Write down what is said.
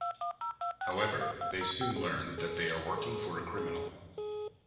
However, they soon learn that they are working for a criminal.